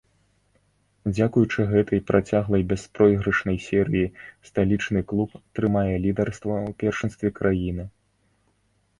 Дзякуючы гэтай працяглай бяспройгрышнай серыі сталічны клуб трымае лідарства ў першынстве краіны.